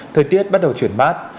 thời tiết bắt đầu chuyển mát